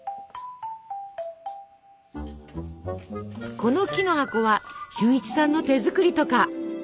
この木の箱は俊一さんの手作りとか。